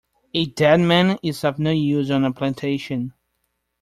A dead man is of no use on a plantation.